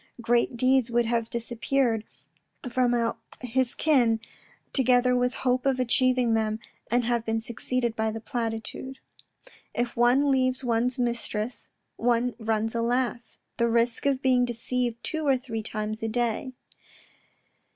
Great deeds would have disappeared from ou 76 THE RED AND THE BLACK his ken together with hope of achieving them and have been succeeded by the platitude. " If one leave one's mistress one runs alas ! the risk of being deceived two or three times a day."